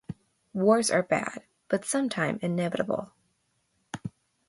Wars are bad, but sometime inevitable.